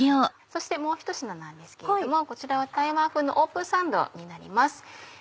そしてもうひと品なんですけれどもこちらは台湾風のオープンサンドになります。